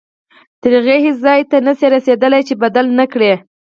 تر هغې هیڅ ځای ته نه شئ رسېدلی چې یې بدل نه کړئ.